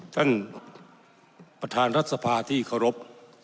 ท่านประธานรัฐสภาที่ขอรับ